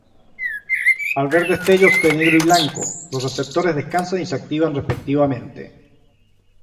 Al ver destellos de negro y blanco, los receptores descansan y se activan respectivamente.